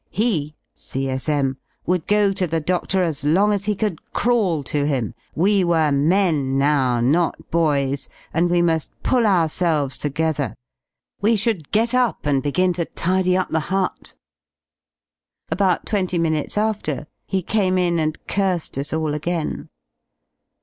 He [C. S,M. ) would go to the dodor as long as he could crawl to him, IVe were men now, not boys, and we mu§l pull ourselves together; we should get up and begin to tidy up the hut. About twenty minutes after he came in and cursed us all again.